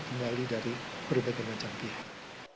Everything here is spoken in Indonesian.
kembali dari berbagai macam pihak